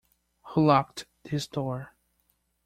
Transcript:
Who locked this door?